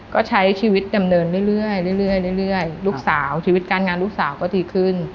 ก็ใช้ชีวิตดำเนินเรื่อยลูกสาวชีวิตการงานลูกสาวก็ดีขึ้น